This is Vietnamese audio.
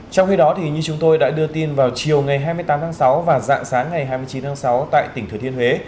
trong khi đó như chúng tôi đã đưa tin vào chiều ngày hai mươi tám tháng sáu và dạng sáng ngày hai mươi chín tháng sáu tại tỉnh thừa thiên huế